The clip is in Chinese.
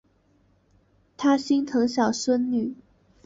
他心疼小孙女